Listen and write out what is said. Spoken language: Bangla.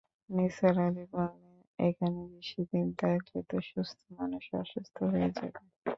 নিসার আলি বললেন, এখানে বেশি দিন থাকলে তো সুস্থ মানুষও অসুস্থ হয়ে যাবে।